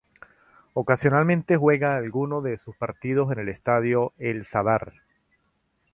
Ocasionalmente juega alguno de sus partidos en el Estadio El Sadar.